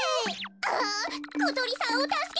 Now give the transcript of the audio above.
あことりさんをたすけたい。